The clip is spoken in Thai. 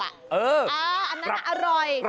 อันนั้นอร่อย